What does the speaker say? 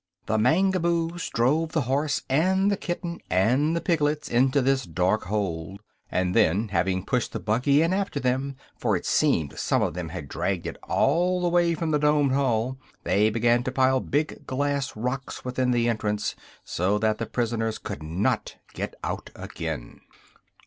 The Mangaboos drove the horse and the kitten and the piglets into this dark hole and then, having pushed the buggy in after them for it seemed some of them had dragged it all the way from the domed hall they began to pile big glass rocks within the entrance, so that the prisoners could not get out again.